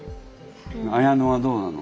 彩乃はどうなの？